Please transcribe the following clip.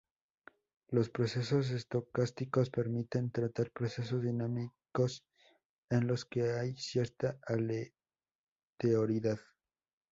Los procesos estocásticos permiten tratar procesos dinámicos en los que hay cierta aleatoriedad.